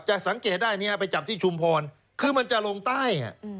จะสังเกตได้นี่ให้ไปจับที่ชุมศักดิ์คือมันจะลงใต้